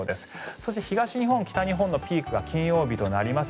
そして東日本、北日本のピークが金曜日となります。